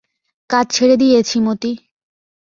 কাজ ছেড়ে দিয়েছি মতি।